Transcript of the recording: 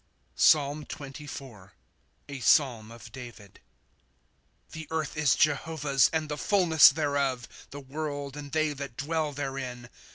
PSALM XXIV. A Psalm of David. ^ The earth is Jehovah's, and the fullness thereof; The world and they that dwell therein.